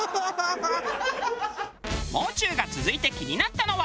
もう中が続いて気になったのは。